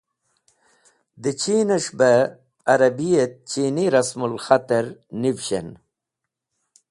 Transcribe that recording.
De Cheen es̃h be Arabi et Chini Rasmul Khat er Nivshen.